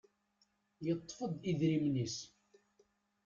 Yeṭṭef-d idrimen-is.